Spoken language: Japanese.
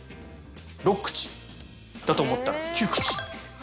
６口だと思ったら９口。